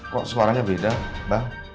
kok suaranya beda bang